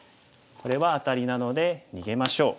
これはアタリなので逃げましょう。